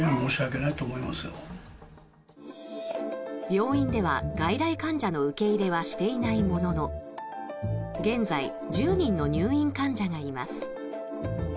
病院では外来患者の受け入れはしていないものの現在１０人の入院患者がいます。